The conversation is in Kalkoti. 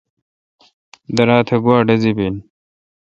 درا تہ گوا ڈزی بین؟